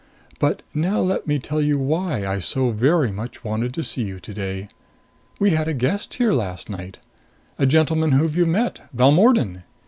But now let me tell you why I so very much wanted to see you today. We had a guest here last night. A gentleman whom you've met Balmordan.